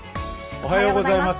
おはようございます。